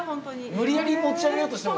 無理やり持ち上げようとしてません？